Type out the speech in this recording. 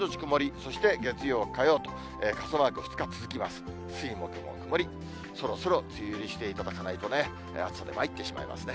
そろそろ梅雨入りしていただかないとね、暑さでまいってしまいますね。